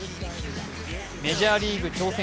メジャーリーグ挑戦